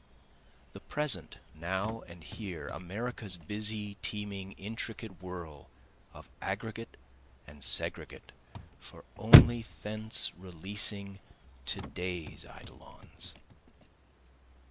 The present now and here, America's busy, teeming, intricate whirl, Of aggregate and segregate for only thence releasing, To day's eidolons.